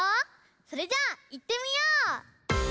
それじゃあいってみよう！